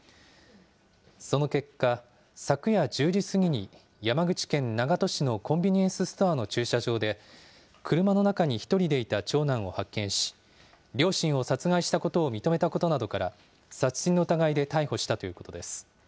その結果、昨夜１０時過ぎに、山口県長門市のコンビニエンスストアの駐車場で、車の中に１人でいた長男を発見し、両親を殺害したことを認めたことなどから、殺人の疑いで逮捕したということです。